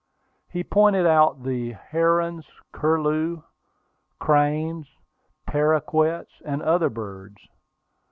He pointed out the herons, curlew, cranes, paroquets, and other birds.